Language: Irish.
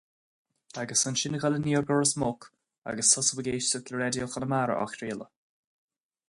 Agus ansin dul aniar go Ros Muc agus tosú ag éisteacht le raidió Chonamara á chraoladh.